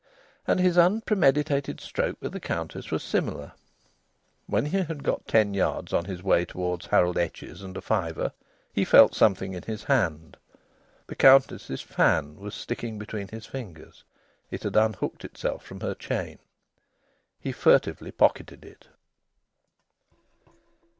And his unpremeditated stroke with the Countess was similar. When he had got ten yards on his way towards Harold Etches and a fiver he felt something in his hand. The Countess's fan was sticking between his fingers. It had unhooked itself from her chain. He furtively pocketed it.